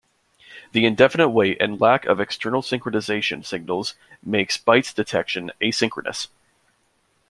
The indefinite wait and lack of external synchronizaton signals makes byte detection asynchronous.